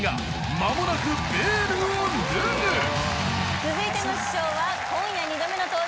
続いての師匠は今夜２度目の登場